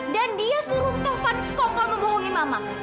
dan dia suruh tovan sekongkol membohongi mama